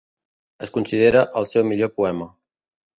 Es considera el seu millor poema.